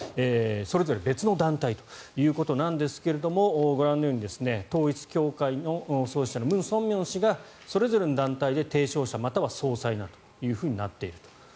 それぞれ別の団体ということなんですがご覧のように統一教会の創始者のムン・ソンミョン氏がそれぞれの団体で提唱者または総裁になっていると。